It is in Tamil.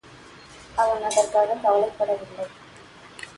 அவன் அதற்காகக் கவலைப் படவில்லை.